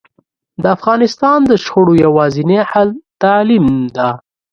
د افغانستان د شخړو یواځینی حل تعلیم ده